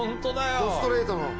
どストレートの。